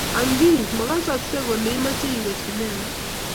Ang ii, mekasekei kole imache iwe sinema?